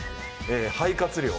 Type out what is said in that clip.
「肺活量」？